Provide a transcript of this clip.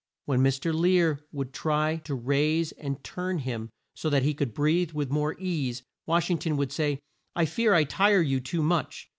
When Mr. Lear would try to raise and turn him so that he could breathe with more ease, Wash ing ton would say, "I fear I tire you too much."